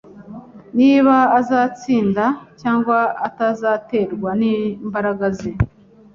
Niba azatsinda cyangwa atazaterwa nimbaraga ze